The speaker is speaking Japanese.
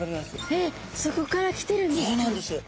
えっそこから来てるんですか。